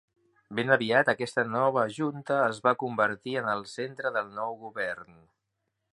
Ben aviat, aquesta nova junta es va convertir en el centre del nou govern.